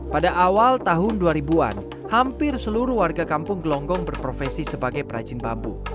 pada awal tahun dua ribu an hampir seluruh warga kampung gelonggong berprofesi sebagai perajin bambu